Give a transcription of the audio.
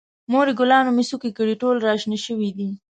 مورې، ګلانو مې څوکې کړي، ټول را شنه شوي دي.